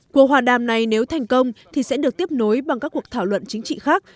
cuộc hòa đàm này nếu thành công thì sẽ được tiếp nối bằng các cuộc thảo luận chính trị khác